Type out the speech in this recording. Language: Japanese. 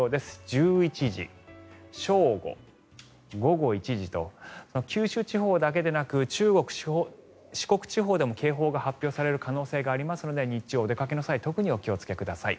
１１時、正午、午後１時と九州地方だけでなく中国・四国地方でも警報が発表される可能性がありますので日中、お出かけの際は特にお気をつけください。